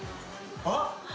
あっ。